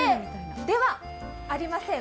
ではありません。